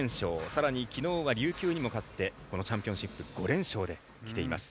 さらに、きのうは琉球にも勝ってこのチャンピオンシップ５連勝で、きています。